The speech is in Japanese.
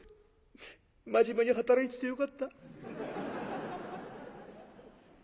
真面目に働いててよかった」。